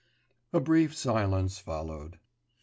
A brief silence followed.